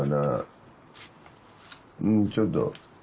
うんちょっと。